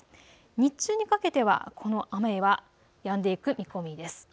日中にかけてはこの雨はやんでいく見込みです。